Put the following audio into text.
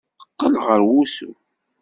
Qqel ɣer wusu!